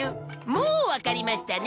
もうわかりましたね？